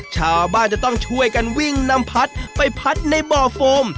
ชาวบ้านจะต้องช่วยกันวิ่งนำพัดไปพัดในบ่อโฟม